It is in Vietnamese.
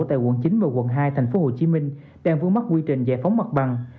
tại quận chín và quận hai tp hcm đang vướng mắt quy trình giải phóng mặt bằng